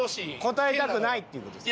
答えたくないっていう事ですか？